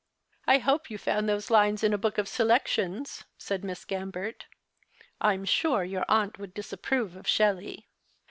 75 " I hope you found those lines in a book of selections," said Miss Gambert. " I am sure yoiu aunt would dis approve of Shelley."